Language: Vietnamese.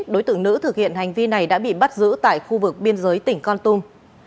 đối tượng nữ thực hiện hành vi này đã bị bắt giữ tại khu vực biên giới tỉnh con tum